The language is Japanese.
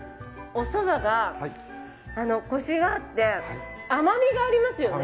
おそばがコシがあって甘みがありますよね。